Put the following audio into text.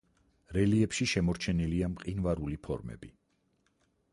რელიეფში შემორჩენილია მყინვარული ფორმები.